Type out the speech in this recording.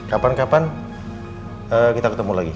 kapan kapan kita ketemu lagi